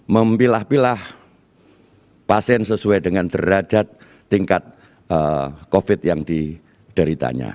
memilah pilah pasien sesuai dengan derajat tingkat covid yang dideritanya